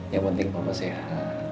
yang penting papa sehat